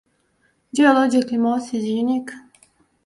Geologically Mors is unique.